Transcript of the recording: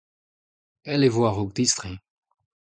pell e vo a-raok distreiñ .